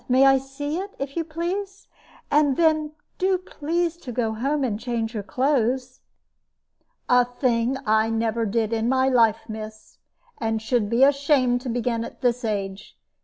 May I see it, if you please? And then do please to go home and change your clothes." "A thing I never did in my life, miss, and should be ashamed to begin at this age.